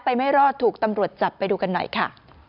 ไม่รอดถูกตำรวจจับไปดูกันหน่อยค่ะ